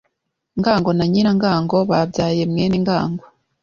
Ngango na Nyirangango babyaye Mwenengango